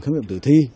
khám nghiệm tử thi